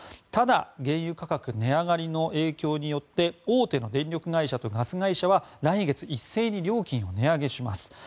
ただ原油価格値上がりの影響によって大手の電力会社とガス会社は来月、一斉に料金を値上げします。